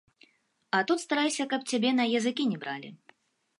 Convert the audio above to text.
А тут старайся, каб цябе на языкі не бралі.